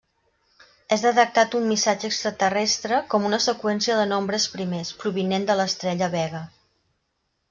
És detectat un missatge extraterrestre com una seqüència de nombres primers, provinent de l'estrella Vega.